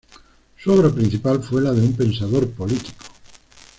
Su obra principal fue la de un pensador político.